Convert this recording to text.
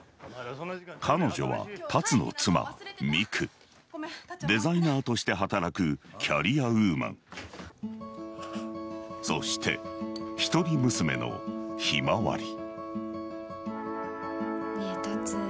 彼女は龍の妻美久デザイナーとして働くキャリアウーマンそして一人娘の向日葵ねぇ龍。